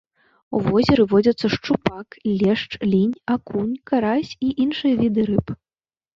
У возеры водзяцца шчупак, лешч, лінь, акунь, карась і іншыя віды рыб.